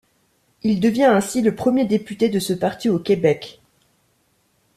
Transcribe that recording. Il devient ainsi le premier député de ce parti au Québec.